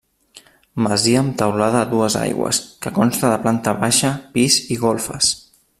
Masia amb teulada a dues aigües que consta de planta baixa, pis i golfes.